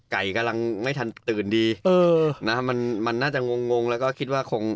กำลังไม่ทันตื่นดีเออนะฮะมันมันน่าจะงงงงแล้วก็คิดว่าคง